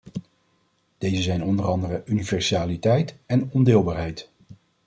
Deze zijn onder andere universaliteit en ondeelbaarheid.